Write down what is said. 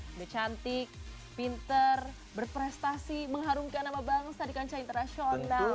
udah cantik pinter berprestasi mengharumkan nama bangsa di kancah internasional